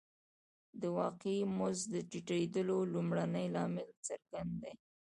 د واقعي مزد د ټیټېدو لومړنی لامل څرګند دی